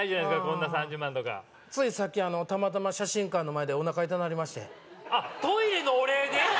こんな３０万とかついさっきたまたま写真館の前でおなか痛なりましてあっトイレのお礼で？